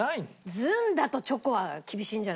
ずんだとチョコは厳しいんじゃないかな？